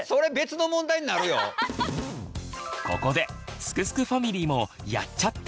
ここですくすくファミリーも「やっちゃった！」